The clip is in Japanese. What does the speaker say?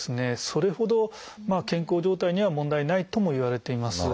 それほど健康状態には問題ないともいわれています。